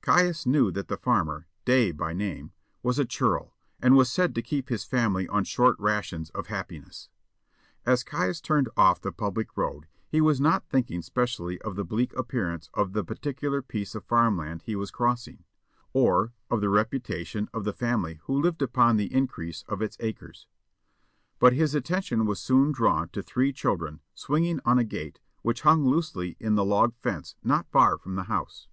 Caius knew that the farmer, Day by name, was a churl, and was said to keep his family on short rations of happiness. As Caius turned off the public road he was not thinking specially of the bleak appearance of the particular piece of farmland he was crossing, or of the reputation of the family who lived upon the increase of its acres; but his attention was soon drawn to three children swinging on a gate which hung loosely in the log fence not far from the house.